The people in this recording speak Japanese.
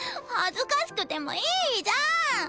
恥ずかしくてもいいじゃん！